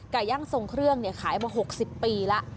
ไก่ย่างทรงเครื่องเนี่ยขายมา๖๐ปีละ